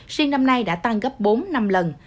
riêng năm nay đã tăng gấp bốn năm lần